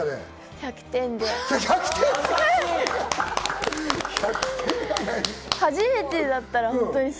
１００点です。